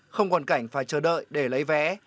không quản cảnh phải chờ đợi để lấy vé